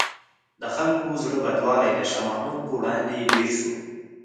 د خلکو زړه بدوالی د شاه محمود په وړاندې ډېر شو.